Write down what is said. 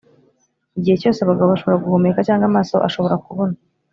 igihe cyose abagabo bashobora guhumeka, cyangwa amaso ashobora kubona,